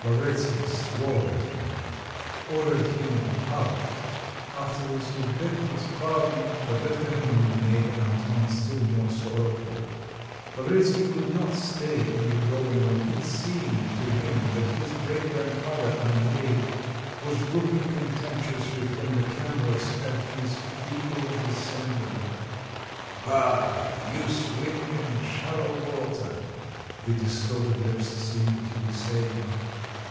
Lavretsky swore at him; ordered him out; afterwards he begged his pardon, but that only made Anton still more sorrowful. Lavretsky could not stay in the drawing room; it seemed to him that his great grandfather Andrey, was looking contemptuously from the canvas at his feeble descendant. "Bah: you swim in shallow water," the distorted lips seemed to be saying.